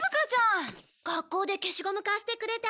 学校で消しゴム貸してくれてありがとう。